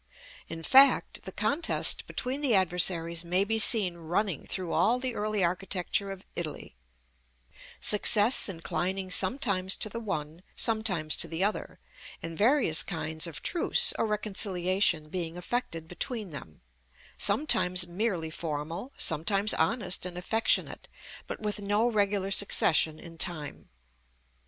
In fact, the contest between the adversaries may be seen running through all the early architecture of Italy: success inclining sometimes to the one, sometimes to the other, and various kinds of truce or reconciliation being effected between them: sometimes merely formal, sometimes honest and affectionate, but with no regular succession in time.